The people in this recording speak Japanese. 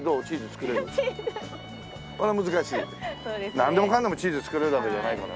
なんでもかんでもチーズ作れるわけじゃないからな。